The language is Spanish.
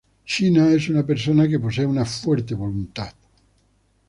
Sheena es una persona que posee una fuerte voluntad.